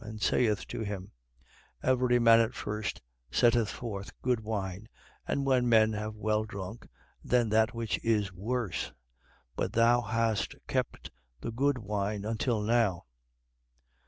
And saith to him: Every man at first setteth forth good wine, and when men have well drunk, then that which is worse. But thou hast kept the good wine until now.